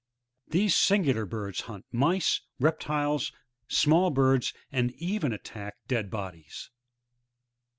These singular birds hunt mice, reptiles, small birds, and even attack dead bodies.